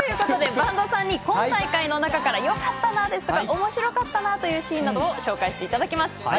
播戸さんには今大会の中からよかったなですとかおもしろかったなというシーンなどを紹介していただきます。